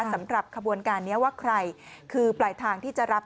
สำหรับขบวนการนี้ว่าใครคือปลายทางที่จะรับ